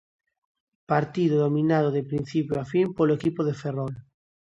Partido dominado de principio a fin polo equipo de Ferrol.